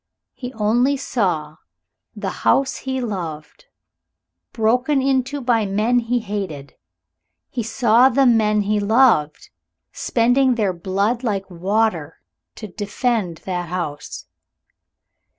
He only saw the house he loved broken into by men he hated; he saw the men he loved spending their blood like water to defend that house.